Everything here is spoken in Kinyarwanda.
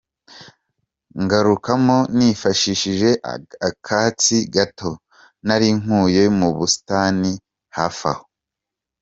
Ngakuramo nifashishije akatsi gato nari nkuye mu busitani hafi aho.